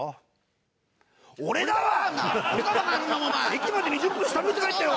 駅まで２０分下向いて帰ったよ。